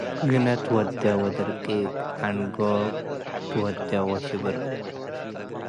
ግኔ ትወዴ ወድርቂቅ፤፡ ዐንጎ ትወዴ ወሽብር